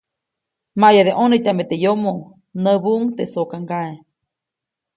‒Maʼyade ʼnonätyame teʼ yomoʼ-, näbuʼuŋ teʼ sokaŋgaʼe.